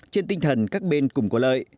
trên tinh thần các bên cùng có lợi